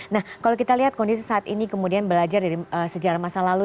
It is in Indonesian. nah kalau kita lihat kondisi saat ini kemudian belajar dari sejarah masa lalu